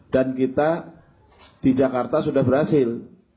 dan kita di jakarta sudah berhasil